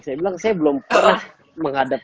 saya bilang saya belum pernah menghadap